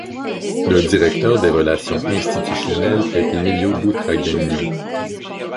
Le directeur des relations institutionnelles est Emilio Butragueño.